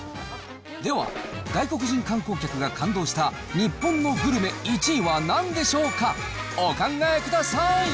では、外国人観光客が感動した日本のグルメ１位はなんでしょうか？